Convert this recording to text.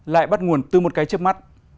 lại bắt nguồn từ một cái chấp mắt